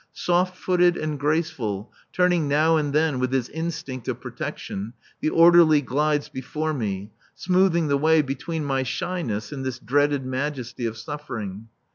Soft footed and graceful, turning now and then with his instinct of protection, the orderly glides before me, smoothing the way between my shyness and this dreaded majesty of suffering.